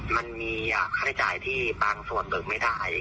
มันมีค่าใช้จ่ายที่บางส่วนเหลือไม่ได้อย่างนี้ครับผม